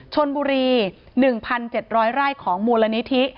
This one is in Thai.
ชนบุรี๑๗๐๐ไร่ของมูลนิธิ